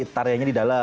jadi tariannya di dalam